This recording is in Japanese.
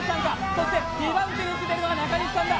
そして２番手につけてるのが中西さんだ。